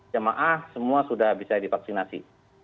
jemaah semua sudah bisa divaksinasi